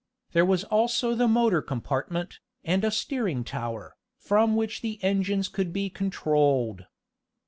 There was also the motor compartment, and a steering tower, from which the engines could be controlled.